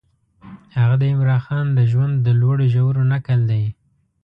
هغه د عمرا خان د ژوند د لوړو ژورو نکل دی.